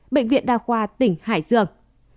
bệnh viện đa khoa tỉnh hải dương